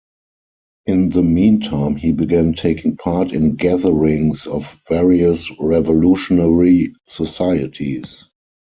In the meantime, he began taking part in gatherings of various revolutionary societies.